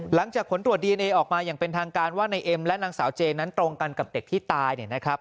หลังจากผลตรวจดีเอนเอออกมาอย่างเป็นทางการว่าในเอ็มและนางสาวเจนั้นตรงกันกับเด็กที่ตายเนี่ยนะครับ